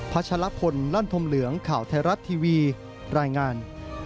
ชะลพลลั่นธมเหลืองข่าวไทยรัฐทีวีรายงาน